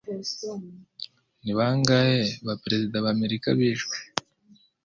Ni bangahe ba Perezida ba Amerika bishwe